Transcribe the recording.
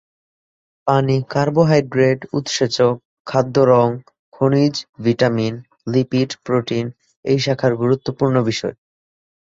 পানি, কার্বোহাইড্রেট, উৎসেচক, খাদ্যের রং, খনিজ, ভিটামিন, লিপিড, প্রোটিন এই শাখার গুরুত্বপূর্ণ বিষয়।